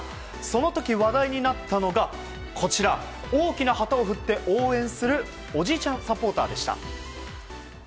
その時、話題になったのが大きな旗を振って応援するおじいちゃんサポーターでした。